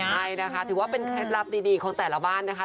ใช่นะคะถือว่าเป็นเคล็ดลับดีของแต่ละบ้านนะคะ